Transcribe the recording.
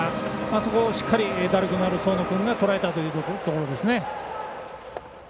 そこをしっかり打力のある僧野君がとらえたというところですね。